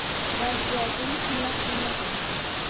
Vasiyatin kimlar tingladi?